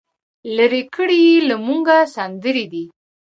لرې کړی یې له موږه سمندر دی